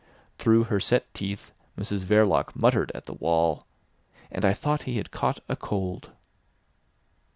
... Through her set teeth Mrs Verloc muttered at the wall: "And I thought he had caught a cold."